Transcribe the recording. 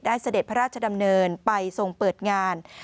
เสด็จพระราชดำเนินไปทรงเปิดงาน